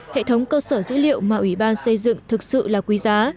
hệ thống cơ sở dữ liệu mà ủy ban xây dựng thực sự là quý giá